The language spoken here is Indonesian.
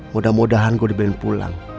mudah mudahan gue dimain pulang